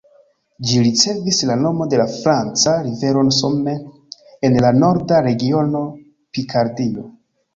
Ĝi ricevis la nomo de la franca rivero Somme, en la Norda regiono Pikardio.